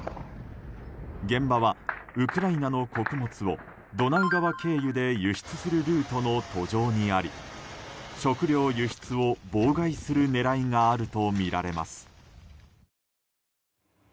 現場はウクライナの穀物をドナウ川経由で輸出するルートの途上にあり食糧輸出を妨害する狙いがあるとみられます。